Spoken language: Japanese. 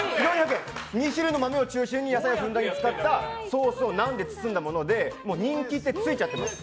２種類の豆を中心に野菜をふんだんに使ったソースを何でつつんだもので人気ってついちゃってます。